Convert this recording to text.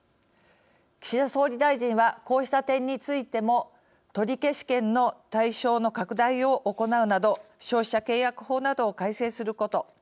岸田総理大臣はこうした点についても取消権の対象の拡大を行うなど消費者契約法などを改正すること。